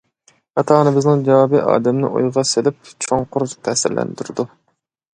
ئاتا-ئانىمىزنىڭ جاۋابى ئادەمنى ئويغا سېلىپ، چوڭقۇر تەسىرلەندۈرىدۇ.